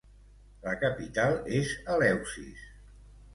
La capital és Eleusis.